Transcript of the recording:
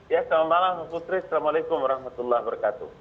ya selamat malam putri assalamualaikum warahmatullahi wabarakatuh